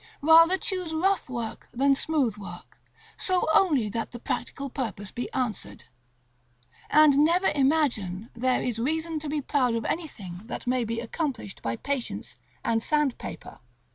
Rather choose rough work than smooth work, so only that the practical purpose be answered, and never imagine there is reason to be proud of anything that may be accomplished by patience and sandpaper.